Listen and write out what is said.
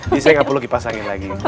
jadi saya nggak perlu dipasangin lagi